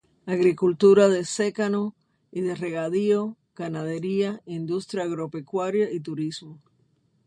Agricultura de secano y de regadío, ganadería, industria agropecuaria y turismo.